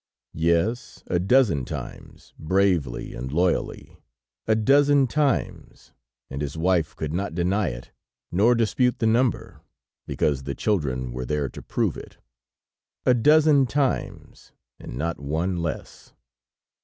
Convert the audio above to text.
Yes, a dozen times bravely and loyally! A dozen times, and his wife could not deny it nor dispute the number, because the children were there to prove it. A dozen times, and not one less!